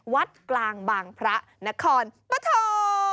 วัดกลางบางพระนครปฐม